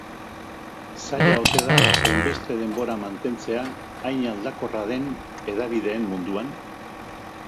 Zaila ote da hainbeste denbora mantentzea hain aldakorra den hedabideen munduan?